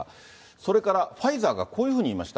それからファイザーがこういうふうに言いました。